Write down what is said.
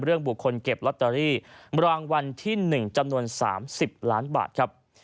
เรื่องบุคคลเก็บรอตเตอรี่รังวันที่๑จำนวน๓๐ล้านบาท